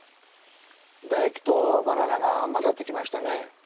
だ液とバナナがまざってきましたね？